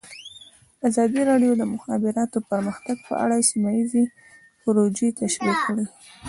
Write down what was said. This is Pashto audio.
ازادي راډیو د د مخابراتو پرمختګ په اړه سیمه ییزې پروژې تشریح کړې.